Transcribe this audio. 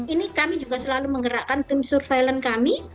ini kami juga selalu menggerakkan tim surveillance kami